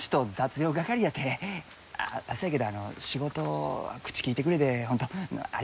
そやけど仕事口利いてくれて本当ありがとうね。